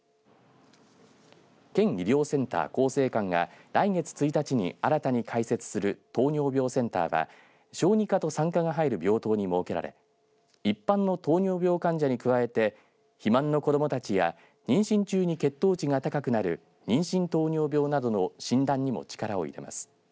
県医療センター好生館が来月１日に新たに開設する糖尿病センターは小児科と産科が入る病棟に設けられ一般の糖尿病患者に加えて肥満の子どもたちや妊娠中に血糖値が高くなる妊娠糖尿病などの診断にも力を入れます。